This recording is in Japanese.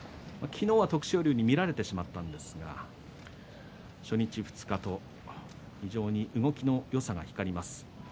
昨日は徳勝龍に見られてしまいましたが初日、二日と非常に動きのよさが光りました。